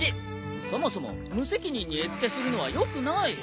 そもそも無責任に餌付けするのはよくない。